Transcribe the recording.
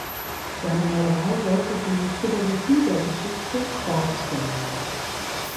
Seine Malerei sollte die „Philosophie der Geschichte“ darstellen.